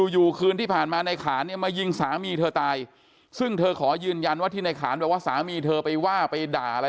อยู่คืนที่ผ่านมาในขานเนี่ยมายิงสามีเธอตายซึ่งเธอขอยืนยันว่าที่ในขานบอกว่าสามีเธอไปว่าไปด่าอะไร